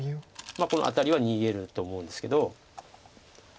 まあこのアタリは逃げると思うんですけど。